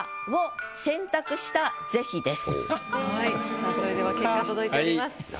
さあそれでは結果届いております。